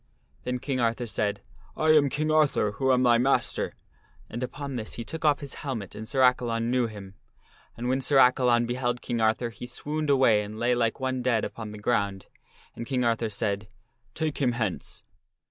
Then King Arthur said, " I arn King Arthur who am thy master." And upon this he took off his helmet and Sir Accalon knew him. And when Sir Accalon beheld King Arthur he swooned away and lay like one dead upon the ground, and King Arthur said, " Take him hence."